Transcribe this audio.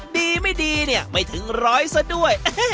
ดีไม่ดีเนี่ยไม่ถึงร้อยซะด้วย